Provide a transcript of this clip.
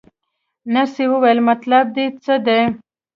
نرسې وویل: مطلب دې څه دی؟